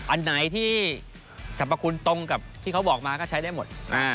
อันไหนที่สรรพคุณตรงกับที่เขาบอกมาก็ใช้ได้หมด